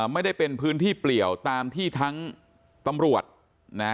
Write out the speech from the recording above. ไม่ได้เป็นพื้นที่เปลี่ยวตามที่ทั้งตำรวจนะ